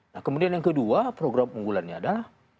nah kemudian yang kedua program unggulannya adalah